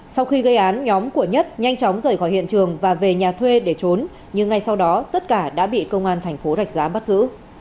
sau khi gây án nhóm của nhất nhanh chóng rời khỏi hiện trường và về nhà thuê để trốn nhưng ngay sau đó tất cả đã bị công an thành phố rạch giá bắt giữ